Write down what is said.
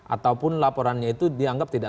ataupun laporannya itu dianggap tidak